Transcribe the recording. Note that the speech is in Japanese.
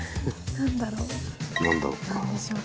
何だろう？